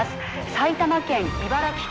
埼玉県茨城県。